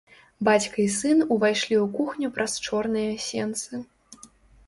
Бацька і сын увайшлі ў кухню праз чорныя сенцы.